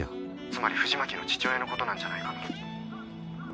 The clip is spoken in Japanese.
つまり藤巻の父親のことなんじゃないかな。